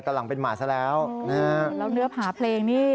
ตอนหลังเป็นหมาซะแล้วแล้วเนื้อผาเพลงนี่